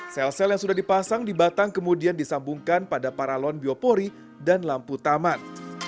sel sel yang sudah dipasang di batang kemudian disambungkan pada paralon biopori dan lampu taman